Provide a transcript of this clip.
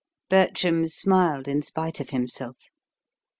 Bertram smiled in spite of himself.